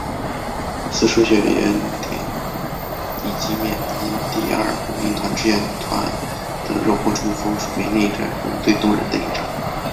死守小圆顶以及缅因第廿步兵志愿团的肉搏冲锋为内战中最动人的一章。